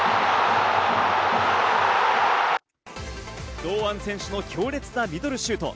堂安選手の強烈なミドルシュート。